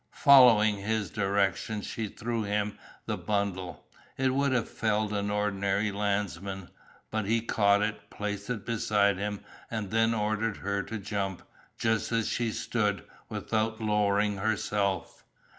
Following his directions she threw him the bundle. It would have felled an ordinary landsman, but he caught it, placed it beside him and then ordered her to jump, just as she stood, without lowering herself.